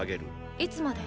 いつまで？